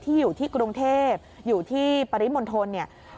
ที่อยู่ที่กรุงเทพฯอยู่ที่ประริมณ์ทน